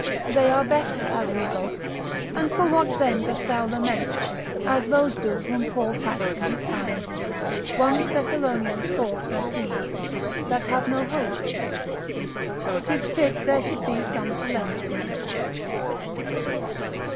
They are better as we hope, and for what then dost thou lament, as those do whom Paul taxed in his time, 1 Thes. iv. 13. that have no hope? 'Tis fit there should be some solemnity.